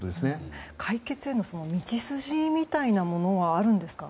解決への道筋みたいなものはあるんですか？